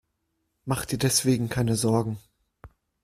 Mach dir deswegen keine Sorgen.